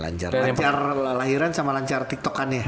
lancar lahiran sama lancar tiktok annya